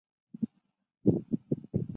幸好这部书的结集本。